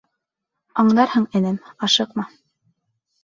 — Аңдарһың, энем, ашыҡма.